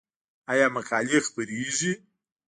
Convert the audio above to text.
آیا مقالې خپریږي؟